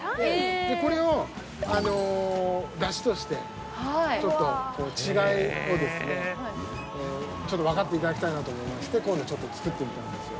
これを出汁として違いを分かっていただきたいなと思いましてこういうの作ってみたんですよ。